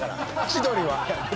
千鳥は。